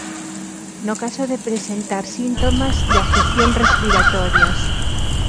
No caso de presentar síntomas de afección respiratorias.